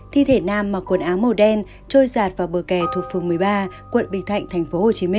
thi thể nam mặc quần áo màu đen trôi giạt vào bờ kè thuộc phường một mươi ba quận bình thạnh tp hcm